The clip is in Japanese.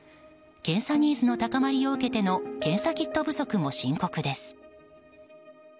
検査ニーズの高まりを受けての検査キット不足も深刻です。